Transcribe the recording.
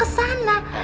kalau kopi tuh kesana